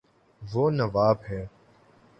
وہ نواب ہے